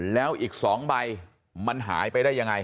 แล้วอีก๒ใบมันหายไปได้ยังไง